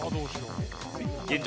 現状